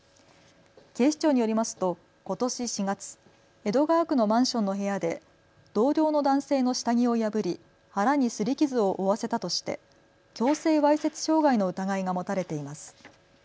警視庁によりますと、ことし４月、江戸川区のマンションの部屋で同僚の男性の下着を破り腹にすり傷を負わせたとして強制わいせつ傷害の疑いが持たれています。